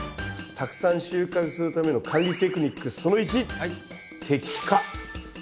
たくさん収穫するための管理テクニック「てきか」？